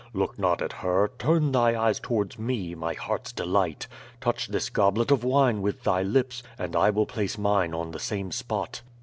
Look not at her; turn thy eyes towards me, my heart's delight! Touch this goblet of wine with thy lips, and I will place mine on the same spot.